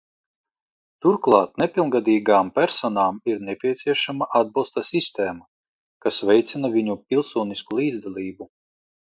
Turklāt nepilngadīgām personām ir nepieciešama atbalsta sistēma, kas veicina viņu pilsonisko līdzdalību.